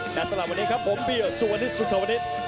และสำหรับวันนี้ครับผมเบียร์สุวรรณิสุธวณิชย์